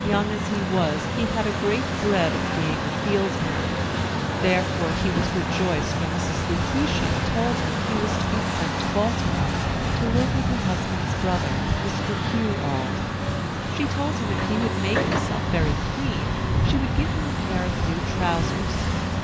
Young as he was, he had a great dread of being a field hand. Therefore he was rejoiced when Mrs. Lucretia told him he was to be sent to Baltimore, to live with her husband's brother, Mr. Hugh Auld. She told him if he would make himself very clean, she would give him a pair of new trousers.